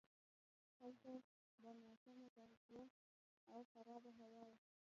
هلته به ناسمه تغذیه او خرابه هوا وه.